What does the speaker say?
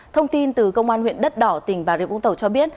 thông tin từ công an huyện đất đỏ tỉnh bà rịa vũng tàu cho biết